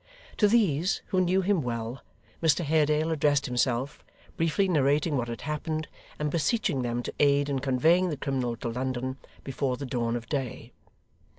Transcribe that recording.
To these, who knew him well, Mr Haredale addressed himself, briefly narrating what had happened, and beseeching them to aid in conveying the criminal to London before the dawn of day.